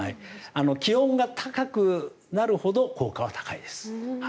気温が高くなるほど効果は高いです。